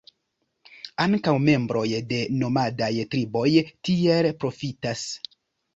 Ankaŭ membroj de nomadaj triboj tiel profitas.